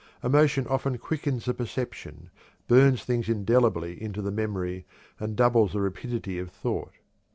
Emotion often quickens the perception, burns things indelibly into the memory, and doubles the rapidity of thought.